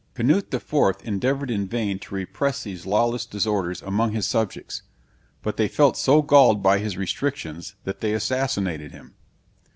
Canute the Fourth endeavored in vain to repress these lawless disorders among his subjects; but they felt so galled by his restrictions, that they assassinated him.